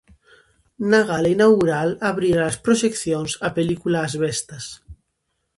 Na gala inaugural abrirá as proxeccións a película As Bestas.